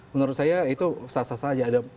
menurut saya itu sasar saja ada